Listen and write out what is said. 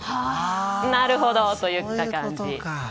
なるほどといった感じ。